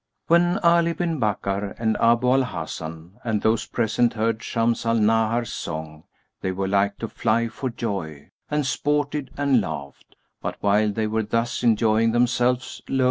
When Ali bin Bakkar and Abu al Hasan and those present heard Shams al Nahar's song, they were like to fly for joy, and sported and laughed; but while they were thus enjoying themselves lo!